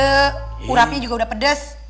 urapnya juga udah pedes